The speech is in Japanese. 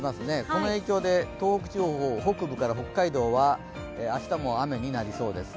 この影響で東北地方の北部から北海道は明日も雨になりそうです。